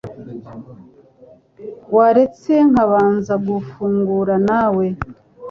waretse nkabanza nkafungura na we